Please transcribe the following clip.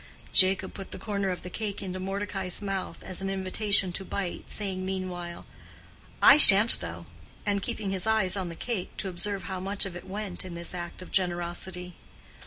Jacob put the corner of the cake into Mordecai's mouth as an invitation to bite, saying meanwhile, "I shan't though," and keeping his eyes on the cake to observe how much of it went in this act of generosity.